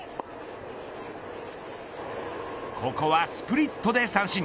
ここはスプリットで三振。